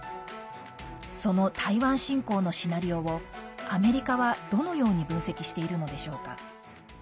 その台湾侵攻のシナリオをアメリカはどのように分析しているのでしょうか。